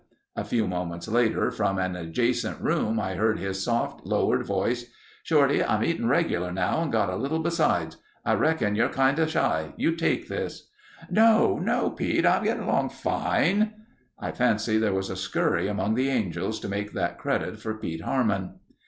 A few moments later, from an adjacent room I heard his soft, lowered voice: "Shorty, I'm eatin' reg'lar now and got a little besides. I reckon you're kinda shy. You take this." "No—no, Pete. I'm getting along fine...." I fancy there was a scurry among the angels to make that credit for Pete Harmon.